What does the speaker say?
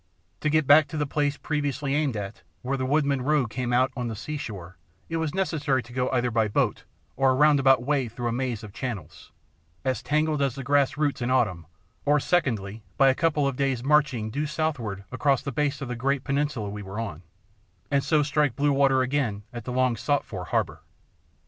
To get back to the place previously aimed at, where the woodmen road came out on the seashore, it was necessary to go either by boat, a roundabout way through a maze of channels, "as tangled as the grass roots in autumn"; or, secondly, by a couple of days' marching due southward across the base of the great peninsula we were on, and so strike blue water again at the long sought for harbour.